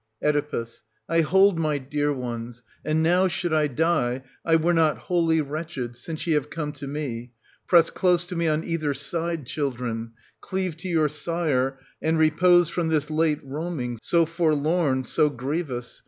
Oe. I hold my dear ones; and now, should I die, I were not wholly wretched, since ye have come to me. mo Press close to' me on either side, children, cleave to your sire, and repose from this late roaming, so forlorn, so grievous